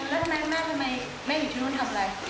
แล้วทำไมแม่ทำไมแม่อยู่ที่นู่นทำอะไร